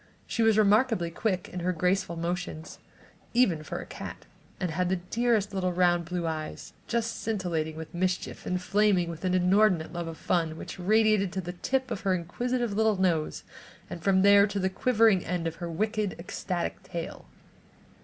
She was remarkably quick in her graceful motions, even for a cat, and had the dearest little round blue eyes, just scintillating with mischief and flaming with an inordinate love of fun which radiated to the tip of her inquisitive little nose and from there to the quivering end of her wicked, ecstatic tail.